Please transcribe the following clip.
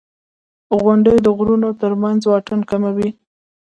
• غونډۍ د غرونو تر منځ واټن کموي.